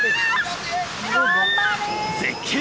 絶景！